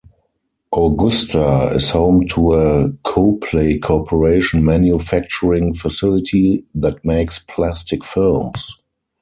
Augusta is home to a Clopay Corporation manufacturing facility that makes plastic films.